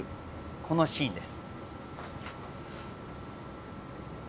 このシーンです。